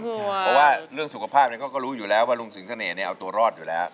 เพราะว่าเรื่องสุขภาพเขาก็รู้อยู่แล้วว่าลุงสิงเสน่ห์เอาตัวรอดอยู่แล้ว